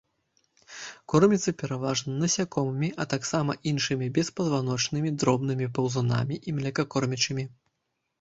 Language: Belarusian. Корміцца пераважна насякомымі, а таксама іншымі беспазваночнымі, дробнымі паўзунамі і млекакормячымі.